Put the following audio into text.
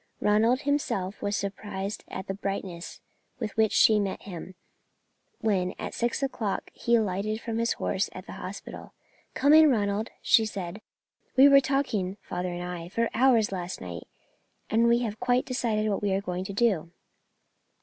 Ronald himself was surprised at the brightness with which she met him, when at six o'clock he alighted from his horse at the hospital. "Come in, Ronald," she said, "we were talking father and I for hours last night, and we have quite decided what we are going to do."